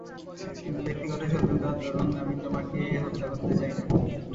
কিন্তু ব্যক্তিগত শত্রুতার দরুণ আমি তোমাকে হত্যা করতে চাই না।